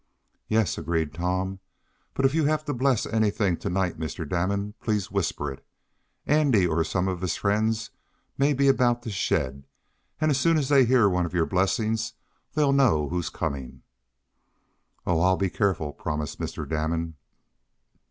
"Yes," agreed Tom. "But if you have to bless anything to night, Mr. Damon, please whisper it. Andy, or some of his friends, may be about the shed, and as soon as they hear one of your blessings they'll know who's coming." "Oh, I'll be careful," promised Mr. Damon.